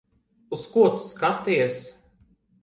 Uz ko tu skaties?